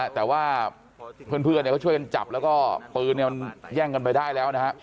แต่ว่าเพื่อนเขาช่วยกันจับแล้วก็ปืนมันแย่งกันไปได้แล้วนะฮะ